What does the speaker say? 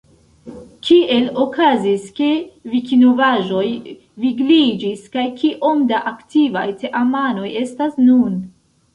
Kiel okazis, ke Vikinovaĵoj vigliĝis, kaj kiom da aktivaj teamanoj estas nun?